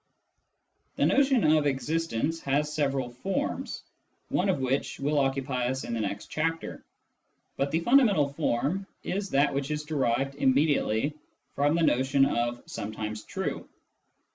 The notion of " existence " has several forms, one of which will occupy us in the next chapter ; but the fundamental form is that which is derived immediately from the notion of " some times true."